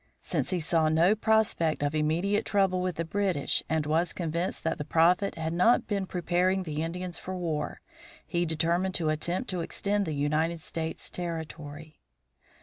Since he saw no prospect of immediate trouble with the British and was convinced that the Prophet had not been preparing the Indians for war, he determined to attempt to extend the United States territory.